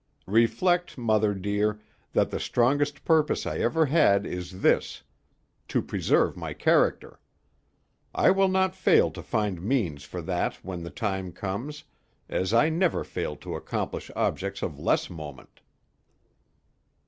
Reflect, mother dear, that the strongest purpose I ever had is this to preserve my character. I will not fail to find means for that when the time comes, as I never fail to accomplish objects of less moment."